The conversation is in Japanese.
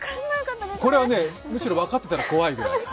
これはむしろ分かったら怖い。